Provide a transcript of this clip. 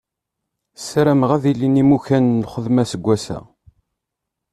Ssarameɣ ad ilin yimukan n lxedma aseggas-a.